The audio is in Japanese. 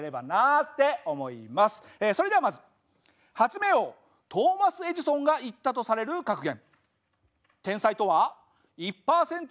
それではまず発明王トーマス・エジソンが言ったとされる格言。